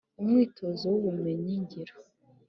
umwitozo wu bumenyi ngiro